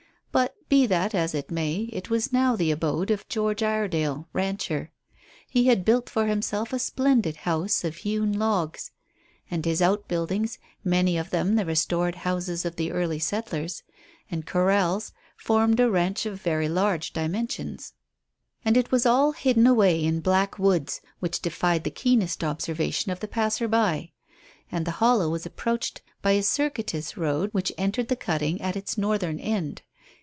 Be that as it may, it was now the abode of George Iredale, rancher. He had built for himself a splendid house of hewn logs, and his outbuildings many of them the restored houses of the early settlers and corrals formed a ranch of very large dimensions. And it was all hidden away in black woods which defied the keenest observation of the passer by. And the hollow was approached by a circuitous road which entered the cutting at its northern end.